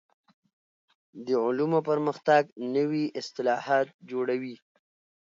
د علومو پرمختګ نوي اصطلاحات جوړوي.